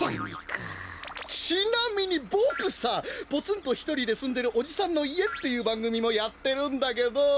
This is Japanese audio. ちなみにボクさ「ポツンとひとりで住んでるおじさんの家」っていうばんぐみもやってるんだけど。